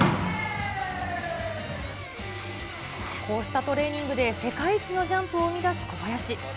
こうしたトレーニングで世界一のジャンプを生み出す小林。